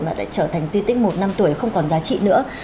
mà đã trở thành di tích một năm tuổi không còn giá trị nữa